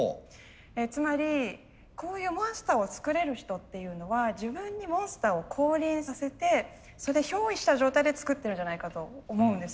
つまりこういうモンスターを作れる人っていうのは自分にモンスターを降臨させてそれで憑依した状態で作ってるんじゃないかと思うんです。